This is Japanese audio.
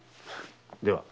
では。